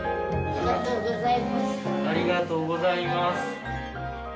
ありがとうございます。